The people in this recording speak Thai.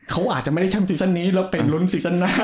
เขาอาจจะไม่ได้แชมซีซั่นนี้แล้วเป็นลุ้นซีซั่นหน้า